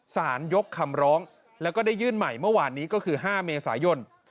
สารยกคำร้องแล้วก็ได้ยื่นใหม่เมื่อวานนี้ก็คือ๕เมษายน